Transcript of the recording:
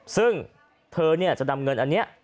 ซึ่งเธอจะนำเงินอันนี้